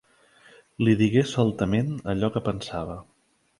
Li digué soltament allò que pensava.